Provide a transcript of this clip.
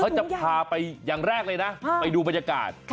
จะพาไปอย่างแรกเลยนะไปดูบรรยากาศ